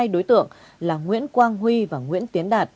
hai đối tượng là nguyễn quang huy và nguyễn tiến đạt